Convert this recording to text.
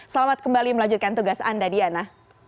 selamat kembali melanjutkan tugas anda diana